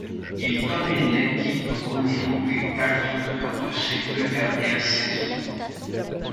Il domine l'équipe au niveau des tacles lors de ses deux dernières saisons.